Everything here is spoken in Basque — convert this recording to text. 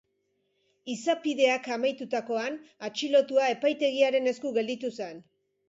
Izapideak amaitutakoan, atxilotua epaitegiaren esku gelditu zen.